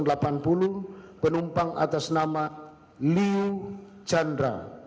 am nomor delapan puluh penumpang atas nama liu chandra